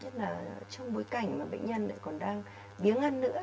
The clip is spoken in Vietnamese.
trong bối cảnh bệnh nhân còn đang biếng ăn nữa